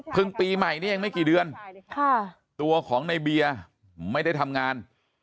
ปีใหม่นี้ยังไม่กี่เดือนตัวของในเบียร์ไม่ได้ทำงาน